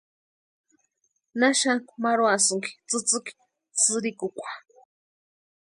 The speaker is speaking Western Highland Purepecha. ¿Na xanku marhuasïnki tsïtsïki sïrikukwa?